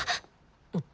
おっと。